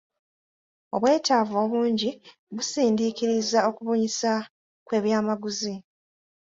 Obwetaavu obungi busindiikiriza okubunyisa kw'ebyamaguzi.